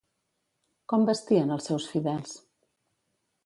Com vestien els seus fidels?